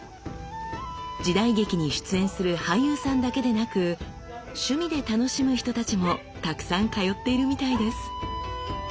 時代劇に出演する俳優さんだけでなく趣味で楽しむ人たちもたくさん通っているみたいです。